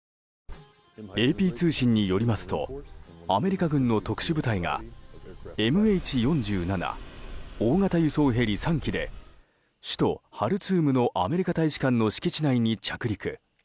ＡＰ通信によりますとアメリカ軍の特殊部隊がＭＨ４７大型輸送ヘリ３機で首都ハルツームのアメリカ大使館の敷地内に着陸。